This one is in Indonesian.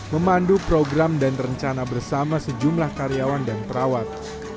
memandu program dan rencana bersama sejumlah karyawan dan perawat